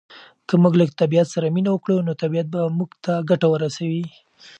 که موږ له طبعیت سره مینه وکړو نو طبعیت به موږ ته ګټه ورسوي.